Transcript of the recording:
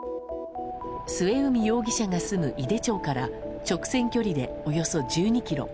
末海容疑者が住む井手町から直線距離でおよそ１２ｋｍ。